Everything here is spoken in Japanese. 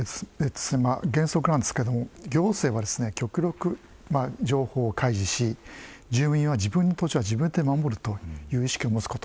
原則ですが、行政は極力情報を開示し住民は自分の土地は自分で守るという意識を持つこと。